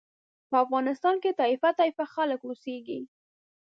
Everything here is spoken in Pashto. په افغانستان کې طایفه طایفه خلک اوسېږي.